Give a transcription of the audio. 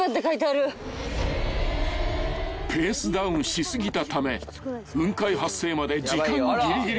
［ペースダウンし過ぎたため雲海発生まで時間ぎりぎり］